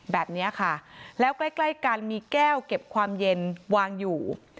แบบนี้ค่ะแล้วใกล้ใกล้กันมีแก้วเก็บความเย็นวางอยู่